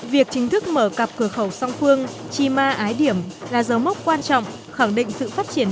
việc chính thức mở cặp cửa khẩu song phương chima ái điểm là dấu mốc quan trọng khẳng định sự phát triển